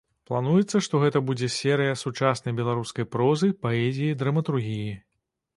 Плануецца, што гэта будзе серыя сучаснай беларускай прозы, паэзіі, драматургіі.